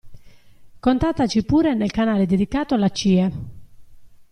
Contattaci pure nel canale dedicato alla CIE.